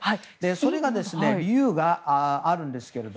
それに理由があるんですけど。